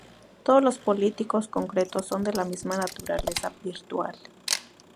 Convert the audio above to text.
Todos los políticos concretos son de la misma naturaleza virtual.